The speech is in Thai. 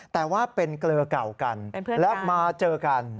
แต่ว่าเป็นเกลือเก่ากันแล้วมาเจอกัน